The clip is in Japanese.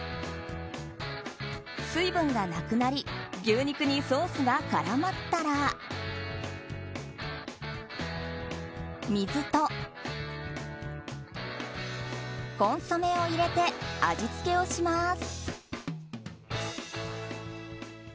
水分がなくなり牛肉にソースが絡まったら水とコンソメを入れて味付けをします。